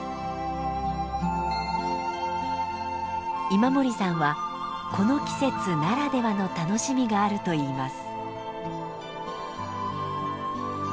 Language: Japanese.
今森さんはこの季節ならではの楽しみがあると言います。